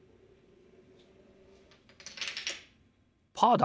パーだ！